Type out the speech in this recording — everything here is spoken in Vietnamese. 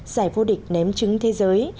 giải vô địch ném chứng thế giới